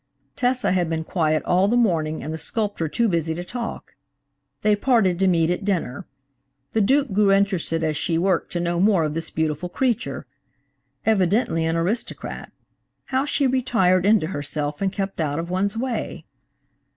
Tessa had been quiet all the morning and the sculptor too busy to talk. They parted to meet at dinner. The Duke grew interested as she worked to know more of this beautiful creature. Evidently an aristocrat. How she retired into herself and kept out of one's way!